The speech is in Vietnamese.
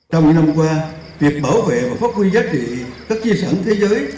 trong những năm qua việc bảo vệ và phát huy giá trị các di sản thế giới